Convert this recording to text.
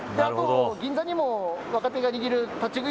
銀座にも若手が握る立ち食い